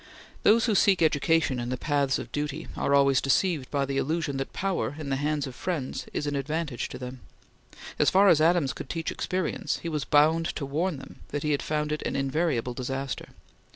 Those who seek education in the paths of duty are always deceived by the illusion that power in the hands of friends is an advantage to them. As far as Adams could teach experience, he was bound to warn them that he had found it an invariable disaster.